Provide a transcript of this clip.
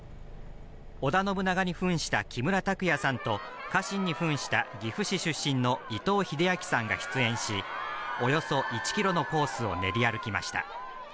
織田信長にふんした木村拓哉さんと家臣にふんした岐阜市出身の伊藤英明さんが出演し、およそ１キロのコースを練り歩きました。